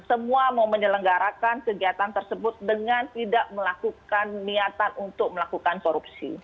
semua mau menyelenggarakan kegiatan tersebut dengan tidak melakukan niatan untuk melakukan korupsi